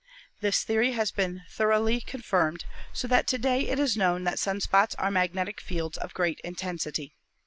This theory has been thoroly con firmed, so that to day it is known that sun spots are mag netic fields of great intensity.